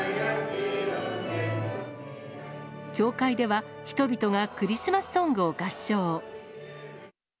教会では、人々がクリスマスソングを合唱。